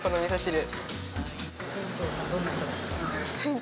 店長さん、どんな人ですか？